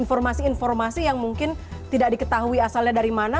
informasi informasi yang mungkin tidak diketahui asalnya dari mana